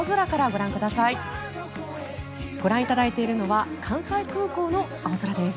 ご覧いただいているのは関西空港の青空です。